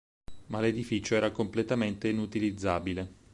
Ma l'edificio era completamente inutilizzabile.